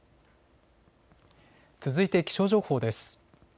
続いて気象情報です。